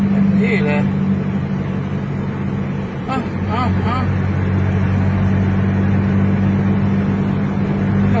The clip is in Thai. แบบนี้เลยเอาเอาเอา